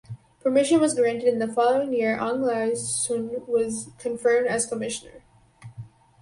Permission was granted and the following year Ang Lai Soon was confirmed as Commissioner.